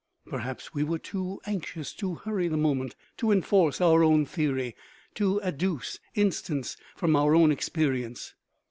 Perhaps we were too anxious to hurry the moment, to enforce our own theory, to adduce instance from our own experience.